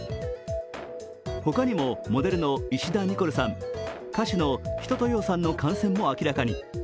他にも、モデルの石田ニコルさん、歌手の一青窈さんの感染も明らかに。